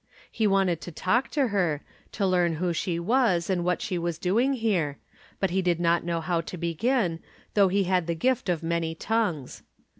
He wanted to talk to her, to learn who she was and what she was doing here, but he did not know how to begin, though he had the gift of many tongues.